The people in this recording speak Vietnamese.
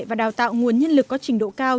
và đào tạo nguồn nhân lực có trình độ cao